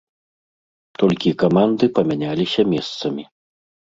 Толькі каманды памяняліся месцамі.